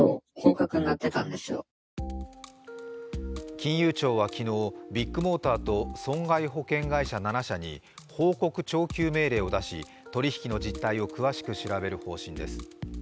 金融庁は昨日、ビッグモーターと損害保険会社や社に報告徴求命令を出し取引の実態を詳しく調べる方針です。